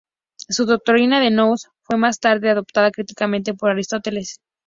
Su doctrina del "nous" fue más tarde adoptada críticamente por Aristóteles.